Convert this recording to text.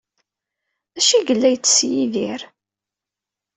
D acu ay la yettess Yidir?